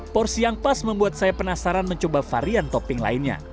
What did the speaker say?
porsi yang pas membuat saya penasaran mencoba varian topping lainnya